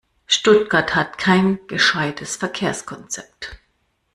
Stuttgart hat kein gescheites Verkehrskonzept.